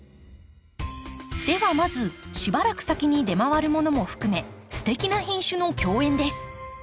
ではまずしばらく先に出回るものも含めすてきな品種の競演です。